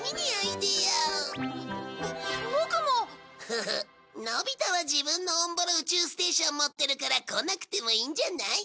フフッのび太は自分のオンボロ宇宙ステーション持ってるから来なくてもいいんじゃない？